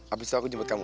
abis itu aku jemput kamu